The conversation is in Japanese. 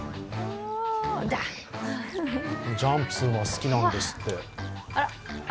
ジャンプするのが好きなんですって。